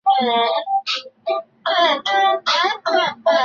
图尔库城堡是位于芬兰城市图尔库的一座中世纪建筑。